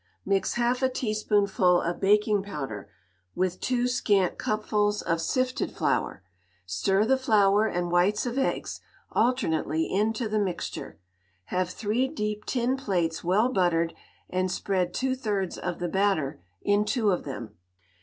Mix half a teaspoonful of baking powder with two scant cupfuls of sifted flour. Stir the flour and whites of eggs alternately into the mixture. Have three deep tin plates well buttered, and spread two thirds of the batter in two of them.